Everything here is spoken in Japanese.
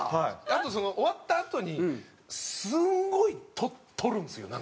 あと終わったあとにすんごい撮るんですよなんか。